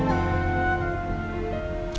ya walaupun aku tau